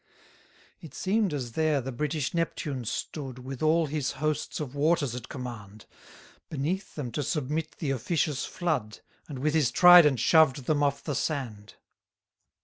184 It seem'd as there the British Neptune stood, With all his hosts of waters at command. Beneath them to submit the officious flood; And with his trident shoved them off the sand.